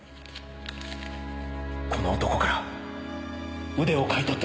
この男から腕を買い取ってください。